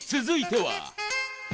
続いては。